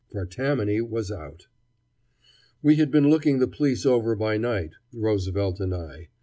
For Tammany was out. We had been looking the police over by night, Roosevelt and I.